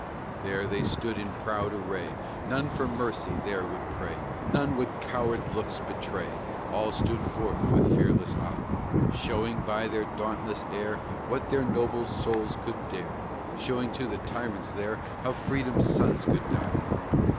There they stood in proud array; None for mercy there would pray; None would coward looks betray All stood forth with fearless eye, Showing by their dauntless air, What their noble souls could dare; Showing to the tyrants there, How Freedom's sons could die.